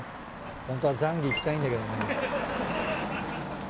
ホントはザンギいきたいんだけどね。